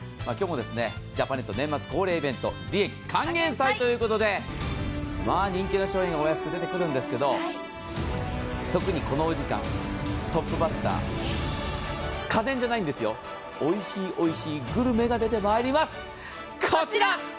ジャパネット恒例の利益還元祭ということで、人気の商品がお安く出てくるんですけど特にこのお時間、トップバッター、家電じゃないんですよ、おいしい、おいしいグルメが出てまいります。